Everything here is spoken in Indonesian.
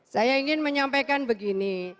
saya ingin menyampaikan begini